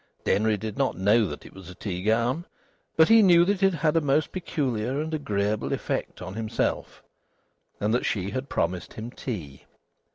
Denry did not know it was a tea gown. But he knew that it had a most peculiar and agreeable effect on himself, and that she had promised him tea.